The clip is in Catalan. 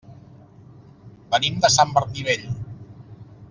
Venim de Sant Martí Vell.